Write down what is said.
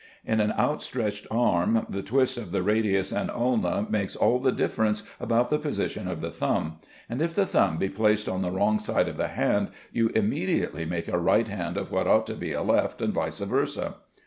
In an outstretched arm, the twist of the radius and ulna makes all the difference about the position of the thumb, and if the thumb be placed on the wrong side of the hand, you immediately make a right hand of what ought to be a left, and vice versâ.